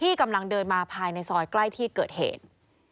กำลังเดินมาภายในซอยใกล้ที่เกิดเหตุ